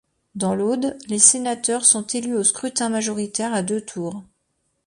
Dans l'Aude, les sénateurs sont élus au scrutin majoritaire à deux tours.